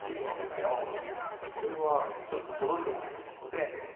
あこれはちょっと届いてるなと思って。